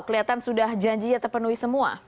kelihatan sudah janji ya terpenuhi semua